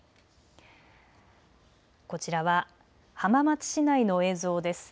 こちらは浜松市内の映像です。